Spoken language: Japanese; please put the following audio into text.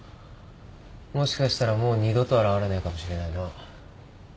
もしかしたらもう二度と現れないかもしれないな。